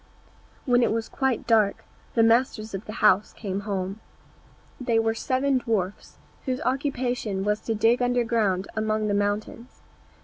When it was quite dark, the masters of the house came home. They were seven dwarfs, whose occupation was to dig underground among the mountains.